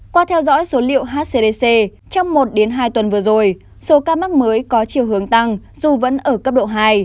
qua theo dõi số liệu hcdc trong một hai tuần vừa rồi số ca mắc mới có chiều hướng tăng dù vẫn ở cấp độ hai